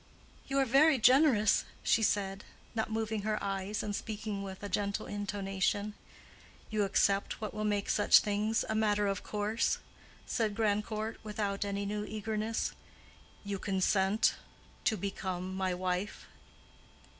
"You are very generous," she said, not moving her eyes, and speaking with a gentle intonation. "You accept what will make such things a matter of course?" said Grandcourt, without any new eagerness. "You consent to become my wife?"